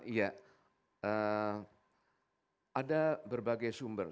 iya ada berbagai sumber